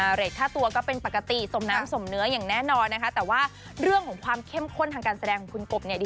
เรทค่าตัวก็เป็นปกติสมน้ำสมเนื้ออย่างแน่นอนนะคะแต่ว่าเรื่องของความเข้มข้นทางการแสดงของคุณกบเนี่ย